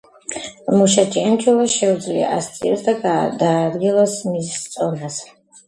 მუშა ჭიანჭველას შეუძლია ასწიოს და გადააადგილოს მის წონაზე